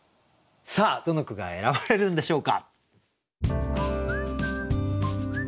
さあどの句が選ばれるんでしょうか。